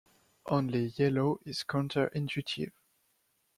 Only yellow is counter-intuitive.